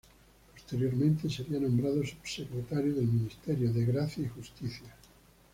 Posteriormente sería nombrado subsecretario del Ministerio de Gracia y Justicia.